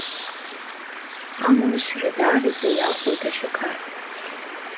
Амлашьра даараӡа иахәоит ашьақар.